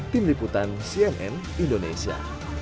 tim liputan cnn indonesia